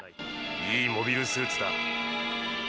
いいモビルスーツだ。